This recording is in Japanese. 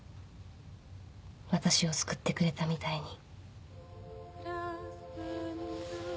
私を救ってくれたみたいに